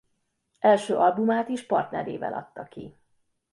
Első albumát is partnerével adta ki.